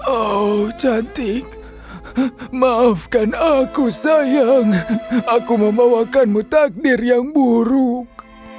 oh cantik maafkan aku sayang aku membawakanmu takdir yang buruk